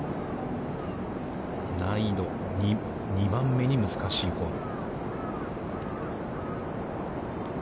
難易度、２番目に難しいホール。